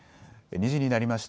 ２時になりました。